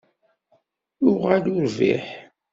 Uɣal urbiḥ!